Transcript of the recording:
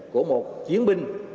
của một chiến binh